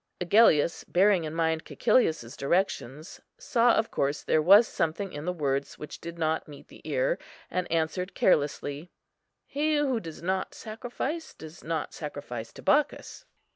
Agellius, bearing in mind Cæcilius's directions, saw of course there was something in the words which did not meet the ear, and answered carelessly, "He who does not sacrifice, does not sacrifice to Bacchus."